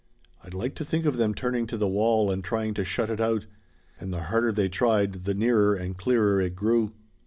I'd like to think of them turning to the wall and trying to shut it out and the harder they tried the nearer and clearer it grew.